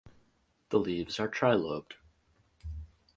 The leaves are trilobed.